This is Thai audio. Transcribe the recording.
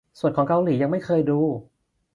ส่วนของเกาหลียังไม่เคยดู